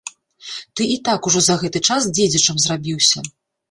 Ты і так ужо за гэты час дзедзічам зрабіўся.